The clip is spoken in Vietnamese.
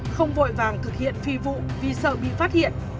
không vội vàng thực hiện phi vụ vì sợ bị phát hiện